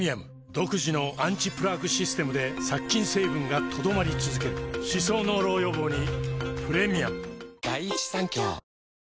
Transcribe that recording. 独自のアンチプラークシステムで殺菌成分が留まり続ける歯槽膿漏予防にプレミアム